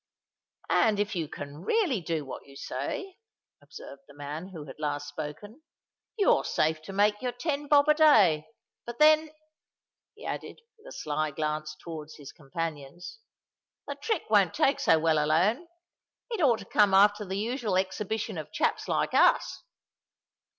"And if you can really do what you say," observed the man who had last spoken, "you're safe to make your ten bob a day. But, then," he added, with a sly glance towards his companions, "the trick won't take so well alone: it ought to come after the usual exhibition of chaps like us."